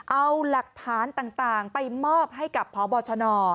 เอาหลักฐานต่างไปมอบให้กับพบชน